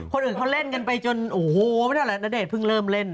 คนอื่นเค้าเล่นกันไปจนโหนาเดชเพิ่งเริ่มเล่น